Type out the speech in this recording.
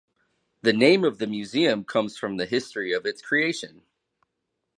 The name of the museum comes from the history of its creation.